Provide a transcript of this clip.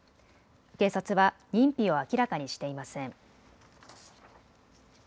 警察は認否を明らかにしていません。